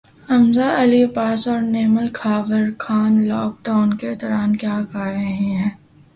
حمزہ علی عباسی اور Neemal Khawar Khan lockdown کے دوران کیا کررہے ہیں